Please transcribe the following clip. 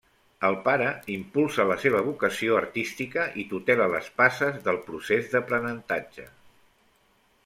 El pare impulsa la seva vocació artística i tutela les passes del procés d'aprenentatge.